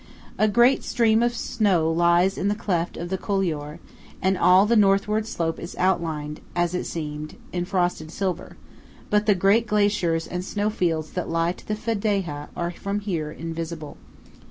A great stream of snow lies in the cleft of the couloir, and all the northward slope is outlined, as it seems, in frosted silver; but the great glaciers and snow fields that lie to the Fedaja are from here invisible.